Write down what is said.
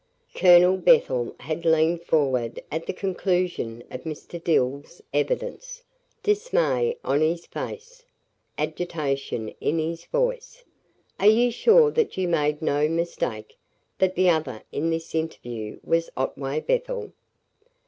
Colonel Bethel had leaned forward at the conclusion of Mr. Dill's evidence, dismay on his face, agitation in his voice. "Are you sure that you made no mistake that the other in this interview was Otway Bethel?"